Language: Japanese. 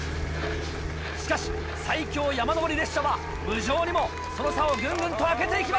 しかし最強山登り列車は無情にもその差をぐんぐんとあけて行きます。